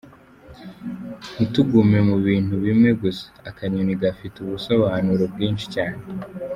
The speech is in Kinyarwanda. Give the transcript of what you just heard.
Ntitugume mu bintu bimwe gusa! Akanyoni gafite ubusobanuro bwinshi cyane.